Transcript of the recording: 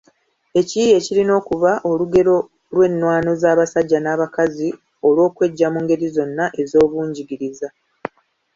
Ekiyiiye kirina okuba olugerero lw’ennwaano z’abasajja n’abakazi olw’okweggya mu ngeri zonna ez’obungigiriza.